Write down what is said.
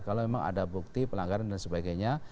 kalau memang ada bukti pelanggaran dan sebagainya